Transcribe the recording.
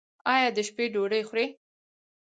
ایا د شپې ډوډۍ خورئ؟